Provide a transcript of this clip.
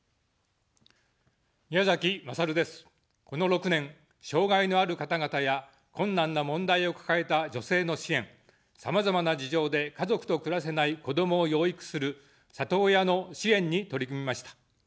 この６年、障がいのある方々や困難な問題を抱えた女性の支援、さまざまな事情で家族と暮らせない子どもを養育する里親の支援に取り組みました。